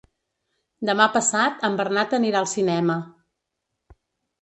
Demà passat en Bernat anirà al cinema.